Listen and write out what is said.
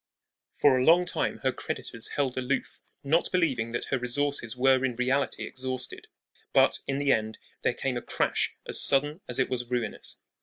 For a long time her creditors held aloof, not believing that her resources were in reality exhausted; but in the end there came a crash as sudden as it was ruinous.